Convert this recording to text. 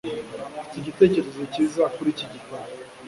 Mfite igitekerezo cyiza kuri iki gitabo.